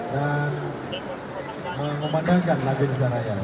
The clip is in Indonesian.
dan mengumandangkan lagu di saraya